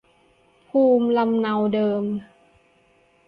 ภูมิลำเนาเดิม